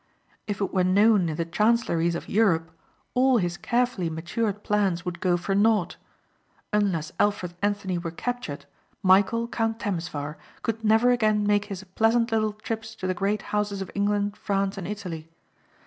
If it were known in the chancelleries of Europe all his carefully matured plans would go for naught. Unless Alfred Anthony were captured Michæl, Count Temesvar could never again make his pleasant little trips to the great houses of England, France and Italy.